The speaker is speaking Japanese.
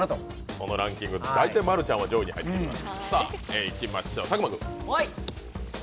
このランキング、大体マルちゃんは上位に入ってきます。